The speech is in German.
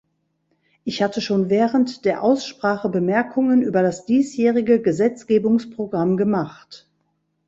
Ich hatte schon während der Aussprache Bemerkungen über das diesjährige Gesetzgebungsprogramm gemacht.